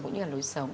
cũng như là lối sống